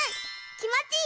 きもちいい！